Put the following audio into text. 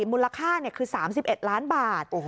มูลค่าคือ๓๑ล้านบาท